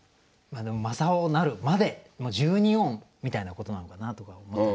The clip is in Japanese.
まあでも「真青なる」まで十二音みたいなことなのかなとか。